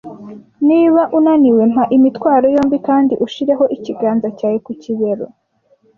Niba unaniwe, mpa imitwaro yombi, kandi ushireho ikiganza cyawe ku kibero,